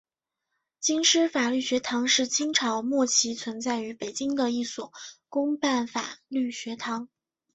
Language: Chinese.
京师法律学堂是清朝末期存在于北京的一所官办法律学堂。